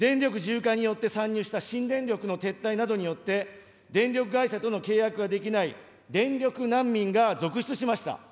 電力自由化によって参入した新電力の撤退などによって、電力会社との契約ができない、電力難民が続出しました。